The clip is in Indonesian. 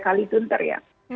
kali sunter ya